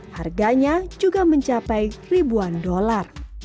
harganya juga mencapai ribuan dolar